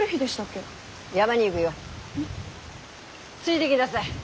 ついできなさい。